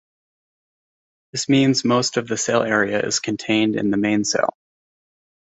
This means most of the sail area is contained in the mainsail.